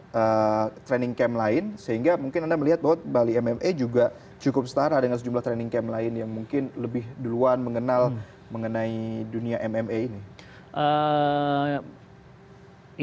ada training camp lain sehingga mungkin anda melihat bahwa bali mma juga cukup setara dengan sejumlah training camp lain yang mungkin lebih duluan mengenal mengenai dunia mma ini